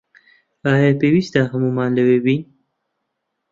ئایا پێویستە هەموومان لەوێ بین؟